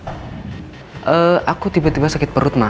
eee aku tiba tiba sakit perut ma